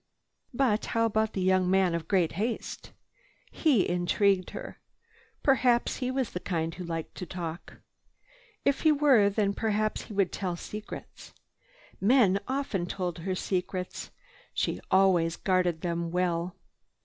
But how about the young man of great haste? He intrigued her. Perhaps he was the kind who liked to talk. If he were, then perhaps he would tell secrets. Men often told her secrets. She always guarded them well.